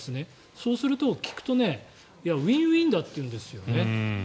そうすると、聞くとウィンウィンだって言うんですよね。